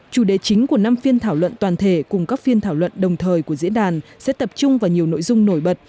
chủ đề chính của năm phiên thảo luận toàn thể cùng các phiên thảo luận đồng thời của diễn đàn sẽ tập trung vào nhiều nội dung nổi bật